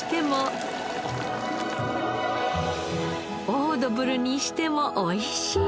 オードブルにしてもおいしい。